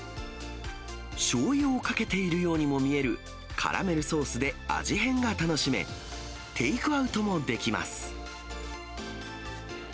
しょうゆをかけているようにも見えるカラメルソースで味変が楽しめ、テイクアウトもできます。